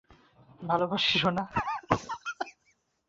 ভালোবাসি, সোনা।